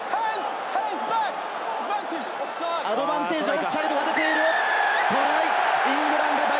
アドバンテージ、オフサイドが出ている。